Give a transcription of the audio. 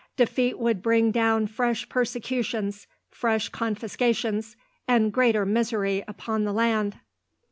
Defeat would bring down fresh persecutions, fresh confiscations, and greater misery upon the land."